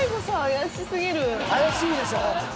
怪しいでしょ？